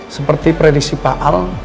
seperti prediksi pak al